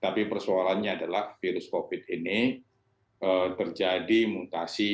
tapi persoalannya adalah virus covid ini terjadi mutasi